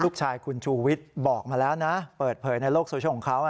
ลูกชายคุณชูวิทย์บอกมาแล้วนะเปิดเผยในโลกโซเชียลของเขา